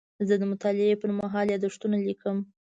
زه د مطالعې پر مهال یادښتونه لیکم.